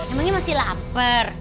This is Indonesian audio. emangnya masih lapar